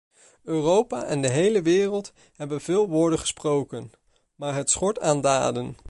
Europa en de hele wereld hebben veel woorden gesproken, maar het schort aan daden.